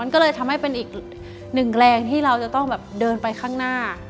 ก็เลยทำให้เป็นอีกหนึ่งแรงที่เราจะต้องแบบเดินไปข้างหน้า